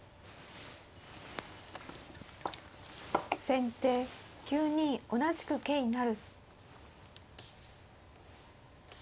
先手９二同じく桂成。